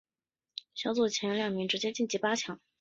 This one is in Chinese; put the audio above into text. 小组前两名直接晋级八强。